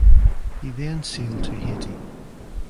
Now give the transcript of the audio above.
He then sailed to Haiti.